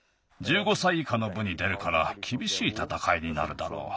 １５歳いかのぶに出るからきびしいたたかいになるだろう。